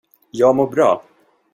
Jag mår bra.